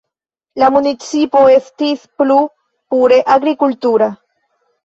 La municipo estis plu pure agrikultura.